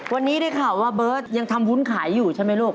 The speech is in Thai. วันนี้ได้ข่าวว่าเบิร์ตยังทำวุ้นขายอยู่ใช่ไหมลูก